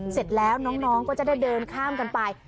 เสร็จแล้วน้องก็จะได้เดินข้ามกันไป